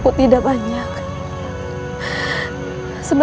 aku sudah l granada terneksik zeke